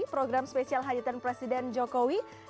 program spesial hadirkan presiden joko widodo